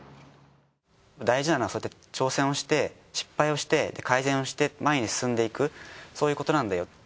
大事なのは挑戦をして失敗をして改善して前に進んでいくそういうことなんだよ。